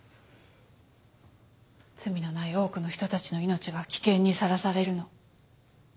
罪のない多くの人たちの命が危険にさらされるの。